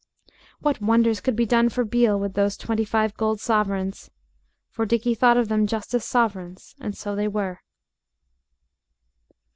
What wonders could be done for Beale with those twenty five gold sovereigns? For Dickie thought of them just as sovereigns and so they were.